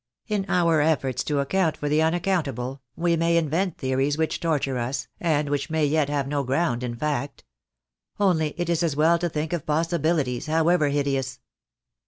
In our efforts to account for the un accountable we may invent theories which torture us, and which may yet have no ground in fact. Only it is as well to think of possibilities, however hideous."